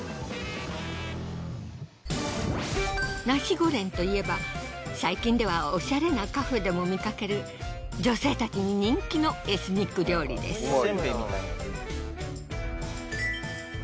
ナシゴレンといえば最近ではお洒落なカフェでも見かける女性たちに人気のエスニック料理です。